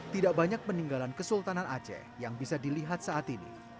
tidak banyak peninggalan kesultanan aceh yang bisa dilihat saat ini